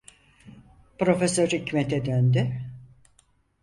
Profesör Hikmet’e döndü: